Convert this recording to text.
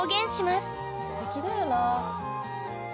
すてきだよなあ。